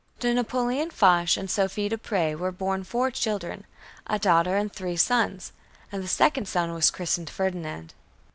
To Napoleon Foch and Sophie Dupré were born four children, a daughter and three sons, and the second son was christened Ferdinand.